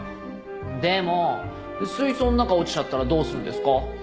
でも水槽の中落ちちゃったらどうするんですか？